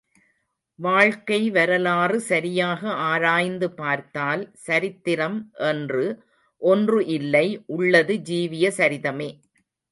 வாழ்க்கை வரலாறு சரியாக ஆராய்ந்து பார்த்தால் சரித்திரம் என்று ஒன்று இல்லை உள்ளது ஜீவிய சரிதமே.